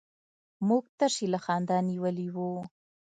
موږ تشي له خندا نيولي وو.